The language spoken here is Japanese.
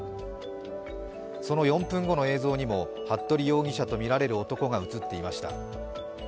その４分後の映像にも服部容疑者とみられる男が映っていました。